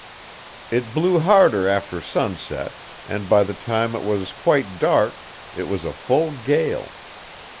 It blew harder after sunset, and by the time it was quite dark it was a full gale.